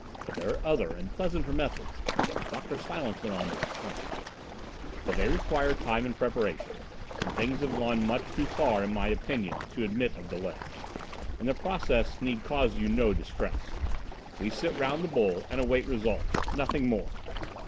"There are other and pleasanter methods," Dr. Silence went on to explain, "but they require time and preparation, and things have gone much too far, in my opinion, to admit of delay. And the process need cause you no distress: we sit round the bowl and await results. Nothing more.